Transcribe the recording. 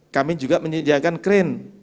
kami juga menyediakan crane